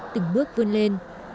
từng bước vươn lên